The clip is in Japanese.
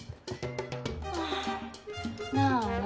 ああなに？